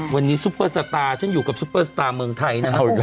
วันนี้ซุปเปอร์สตาร์ฉันอยู่กับซุปเปอร์สตาร์เมืองไทยนะครับ